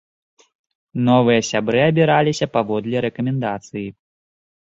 Новыя сябры абіраліся паводле рэкамендацыі.